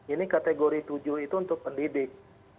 ini kategori tujuh itu untuk pendidik